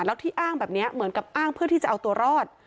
แล้วที่อ้างแบบนี้เหมือนกับอ้างเพื่อที่จะเอาตัวรอด